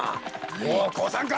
もうこうさんか？